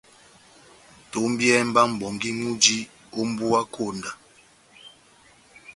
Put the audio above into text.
Tombiyɛhɛ mba mʼbongi múji ó mbuwa konda !